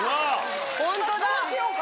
ホントだ。